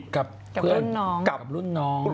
กับรุ่นน้อง